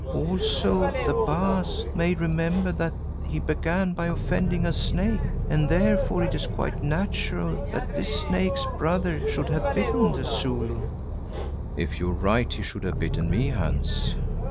Also the Baas may remember that he began by offending a snake and therefore it is quite natural that this snake's brother should have bitten the Zulu." "If you are right, he should have bitten me, Hans."